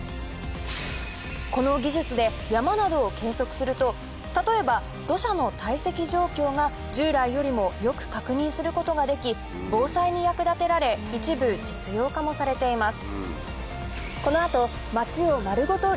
この技術で山などを計測すると例えば土砂の堆積状況が従来よりもよく確認することができ防災に役立てられ一部実用化もされています